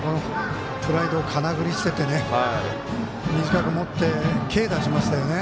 プライドをかなぐり捨てて短く持って、軽打しましたよね。